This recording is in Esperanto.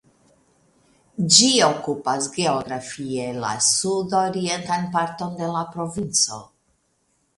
Ĝi okupas geografie la sudorientan parton de la provinco.